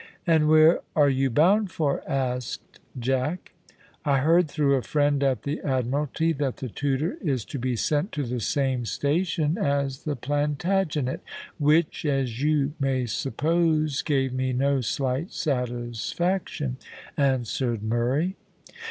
"And where are you bound for?" asked Jack. "I heard through a friend at the Admiralty that the Tudor is to be sent to the same station as the Plantagenet, which, as you may suppose, gave me no slight satisfaction," answered Murray.